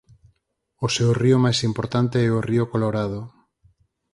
O seu río máis importante é o río Colorado.